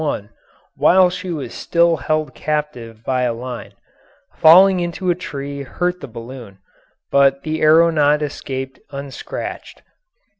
1, while she was still held captive by a line; falling into a tree hurt the balloon, but the aeronaut escaped unscratched.